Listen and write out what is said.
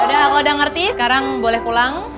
udah kalau udah ngerti sekarang boleh pulang